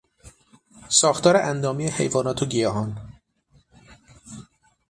ساختار اندامی حیوانات و گیاهان